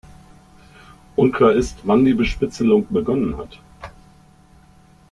Unklar ist, wann die Bespitzelung begonnen hat.